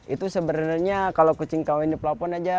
itu sebenarnya kalau kucing kawin di pelapon aja